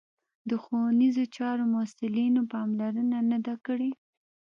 د ښوونیزو چارو مسوولینو پاملرنه نه ده کړې